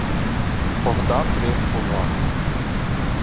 Богдан тріумфував: